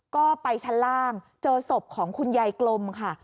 ก็ไปชั้นล่างเจอศพของคุณยายกลมค่ะ